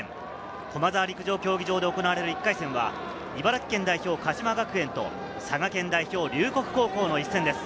駒沢陸上競技場で行われる１回戦は茨城県代表・鹿島学園と佐賀県代表・龍谷高校の一戦です。